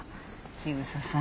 千草さん。